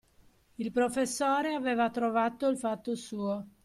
Il professore aveva trovato il fatto suo.